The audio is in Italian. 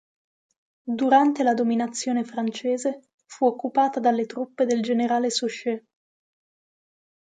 Durante la dominazione francese, fu occupata dalle truppe del generale Suchet.